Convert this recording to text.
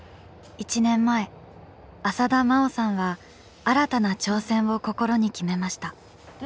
１年前浅田真央さんは新たな挑戦を心に決めました。